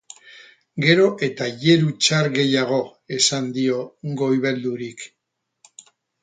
Gero eta aieru txar gehiago, esan dio, goibeldurik.